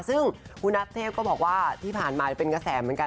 ซึ่งคุณนัทเทพก็บอกว่าที่ผ่านมาเป็นกระแสเหมือนกัน